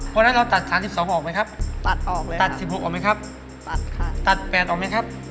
เพราะฉะนั้นเราตัด๓๒ออกไหมครับตัด๑๖ออกไหมครับตัด๘ออกไหมครับ